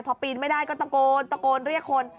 พอปีนไม่ได้ก็ตะโกนตะโกนเรียกคน